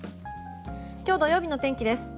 今日土曜日の天気です。